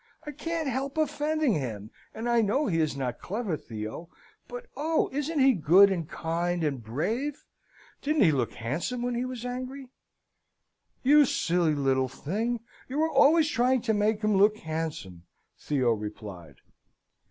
I can't help offending him; and I know he is not clever, Theo. But oh! isn't he good, and kind, and brave? Didn't he look handsome when he was angry?" "You silly little thing, you are always trying to make him look handsome," Theo replied.